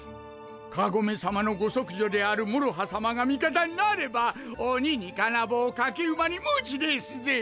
かごめさまのご息女であるもろはさまが味方になれば鬼に金棒駆け馬に鞭ですぜ！